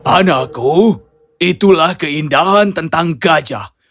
anakku itulah keindahan tentang gajah